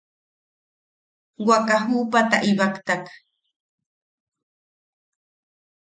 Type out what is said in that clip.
Waka juʼupata ibaktak.